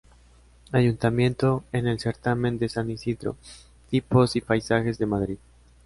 Ayuntamiento en el certamen de San Isidro "Tipos y paisajes de Madrid".